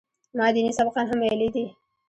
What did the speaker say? ما ديني سبقان هم ويلي دي.